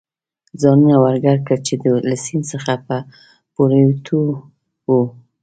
ځانونه ور ګډ کړل، چې له سیند څخه په پورېوتو و.